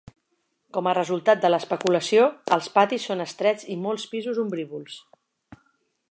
Com a resultat de la especulació, els patis són estrets i molts pisos ombrívols.